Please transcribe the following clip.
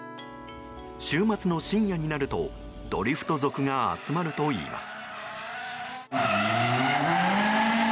週末の深夜になるとドリフト族が集まるといいます。